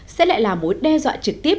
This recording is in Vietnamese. sẽ lại là mối đe dọa trực tiếp